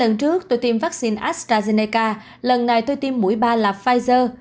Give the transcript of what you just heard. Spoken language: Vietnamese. lần trước tôi tiêm vaccine astrazeneca lần này tôi tiêm mũi ba là pfizer